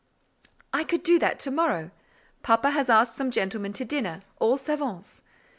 "I could do that to morrow. Papa has asked some gentlemen to dinner, all savants.